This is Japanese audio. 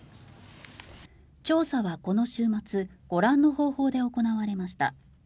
調査はこの週末ご覧の方法で行われました。